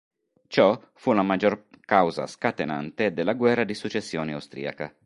Ciò fu la maggior causa scatenante della guerra di successione austriaca.